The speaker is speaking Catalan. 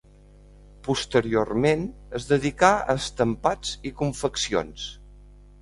Posteriorment es dedicà a estampats i confeccions.